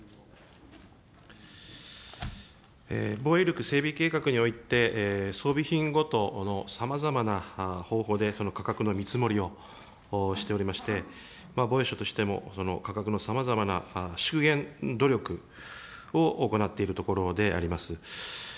防衛力整備計画において、装備品ごとのさまざまな方法でその価格の見積もりをしておりまして、防衛省としても、価格のさまざまな縮減努力を行っているところであります。